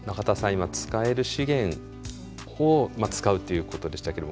今使える資源を使うっていうことでしたけども。